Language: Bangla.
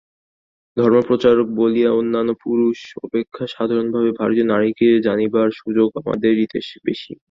ধর্মপ্রচারক বলিয়া অন্যান্য পুরুষ অপেক্ষা সাধারণভাবে ভারতীয় নারীকে জানিবার সুযোগ আমাদেরই বেশী।